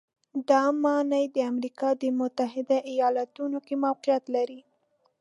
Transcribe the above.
دا ماڼۍ د امریکا د متحدو ایالتونو کې موقعیت لري.